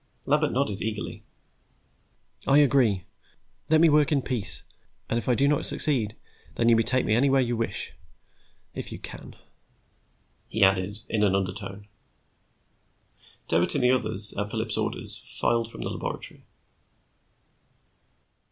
Lambert nodded, eagerly. "I agree. Let me work in peace, and if I do not succeed then you may take me anywhere you wish. If you can," he added, in an undertone. Doherty and the others, at Phillips' orders, filed from the laboratory.